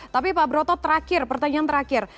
tapi pak broto terakhir pertanyaan terakhir